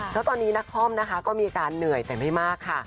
เพราะตอนนี้นักคอมนะคะก็มีอาการเหนื่อยแต่ไม่มากค่ะ